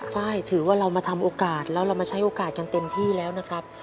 ไฟล์ถือว่าเรามาทำโอกาสแล้วเรามาใช้โอกาสกันเต็มที่แล้วนะครับ